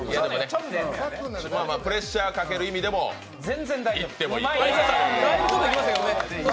プレッシャーかける意味でも、いってもいい。